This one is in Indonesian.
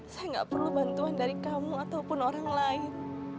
saya nggak perlu bantuan dari kamu ataupun orang lain